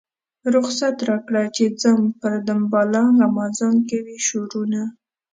رخصت راکړه چې ځم پر دنباله غمازان کوي شورونه.